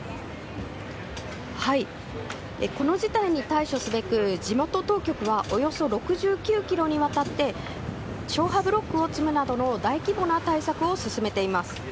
この事態に対処すべく地元当局はおよそ６９ｋｍにわたって消波ブロックを積むなどの大規模な対策を進めています。